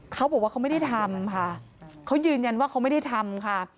เขาบอกว่าเขาไม่ได้ทำค่ะเขายืนยันว่าเขาไม่ได้ทำค่ะ